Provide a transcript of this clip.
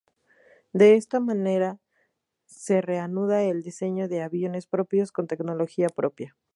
De esta manera se reanuda el diseño de aviones propios con tecnología propia.